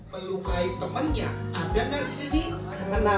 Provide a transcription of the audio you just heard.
melukai temennya ada kan di sini